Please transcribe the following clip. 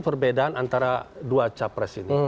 perbedaan antara dua capres ini